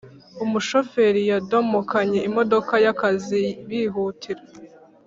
umushoferi yadomokanye imodoka yakazi bihutira